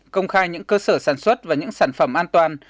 công khai những cơ sở sản xuất và những sản phẩm an toàn